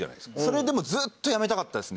それはでもずっと辞めたかったですね。